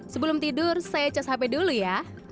sebelum tidur saya cas hp dulu ya